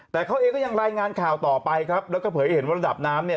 แต่เขาเองก็ยังรายงานข่าวต่อไปครับแล้วก็เผยให้เห็นว่าระดับน้ำเนี่ย